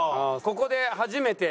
ここで初めて。